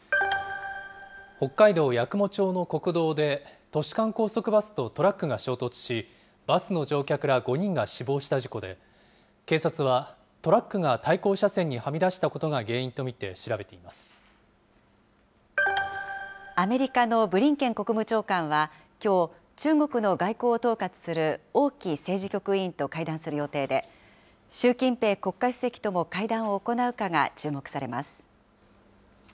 北海道八雲町の国道で、都市間高速バスとトラックが衝突し、バスの乗客ら５人が死亡した事故で、警察はトラックが対向車線にはみ出したことが原因と見て調べていアメリカのブリンケン国務長官は、きょう、中国の外交を統括する王毅政治局委員と会談する予定で、習近平国家主席とも会談を行うかが注目されます。